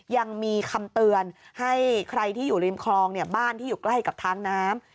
ยังมีคำเตือนให้ใครที่อยู่ริมคลองบ้านที่อยู่ใกล้กับทางน้ำ